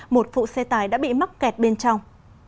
một phụ xe tải đã bị mắc kẹt bên trong